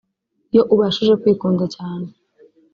iyo ubashije kwikunda cyane